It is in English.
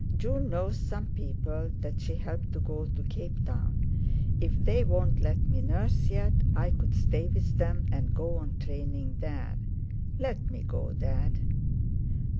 "June knows some people that she helped to go to Cape Town. If they won't let me nurse yet, I could stay with them and go on training there. Let me go, Dad!"